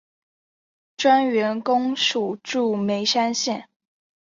专员公署驻眉山县。